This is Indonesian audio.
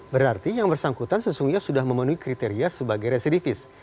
berarti yang bersangkutan sesungguhnya sudah memenuhi kriteria sebagai residikis